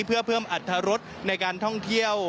เพื่อเพิ่มอัตรรสในการท่องเที่ยว